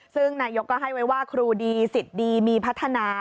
ซึ่งนายกก็ให้ไว้ว่าครูดีสิทธิ์ดีมีพัฒนา